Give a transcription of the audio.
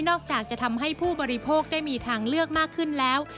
อกจากจะทำให้ผู้บริโภคได้มีทางเลือกมากขึ้นแล้ว